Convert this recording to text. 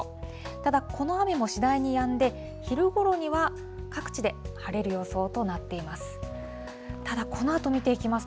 ただ、この雨も次第にやんで、昼ごろには各地で晴れる予想となっています。